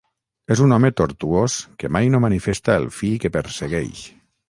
És un home tortuós que mai no manifesta el fi que persegueix.